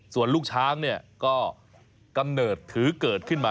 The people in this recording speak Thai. ส่วนลูกช้างเนี่ยก็กำเนิดถือเกิดขึ้นมา